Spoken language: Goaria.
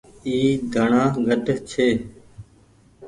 اي ڌڻآ گھٽ ڇي۔